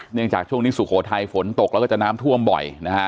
จากช่วงนี้สุโขทัยฝนตกแล้วก็จะน้ำท่วมบ่อยนะฮะ